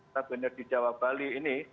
sebenarnya di jawa bali ini